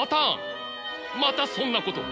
またそんなことを！